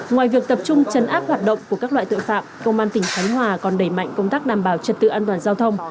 ngoài việc tập trung chấn áp hoạt động của các loại tội phạm công an tỉnh khánh hòa còn đẩy mạnh công tác đảm bảo trật tự an toàn giao thông